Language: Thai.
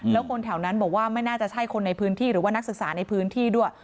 แล้วคนแถวนั้นบอกว่าไม่น่าจะใช่คนในพื้นที่หรือว่านักศึกษาในพื้นที่ด้วย